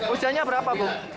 usianya berapa bu